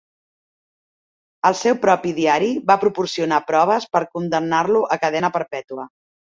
El seu propi diari va proporcionar proves per condemnar-lo a cadena perpètua.